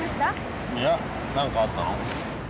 いや何かあったの？